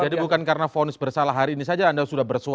jadi bukan karena fonis bersalah hari ini saja anda mencari tersangka